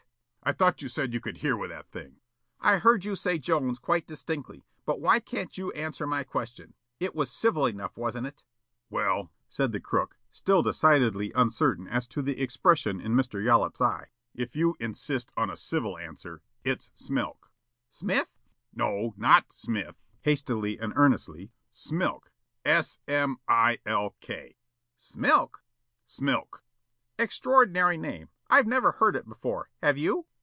"I thought you said you could hear with that thing!" "I heard you say Jones quite distinctly, but why can't you answer my question? It was civil enough, wasn't it?" "Well," said the crook, still decidedly uncertain as to the expression in Mr. Yollop's eye, "if you insist on a civil answer, it's Smilk." "Smith?" "No, NOT Smith," hastily and earnestly; "Smilk, S m i l k." "Smilk?" "Smilk." "Extraordinary name. I've never heard it before, have you?"